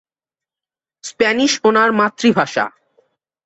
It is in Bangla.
স্প্যানিশ ওনার মাতৃভাষা।